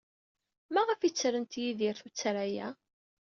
Maɣef ay ttrent Yidir tuttra-a?